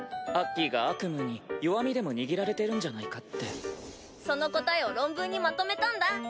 アッキーがアクムーに弱みでも握られてるんじゃないかってその答えを論文にまとめたんだ。